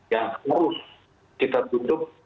yang harus kita tubuh